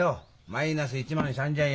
マイナス１万３，０００円。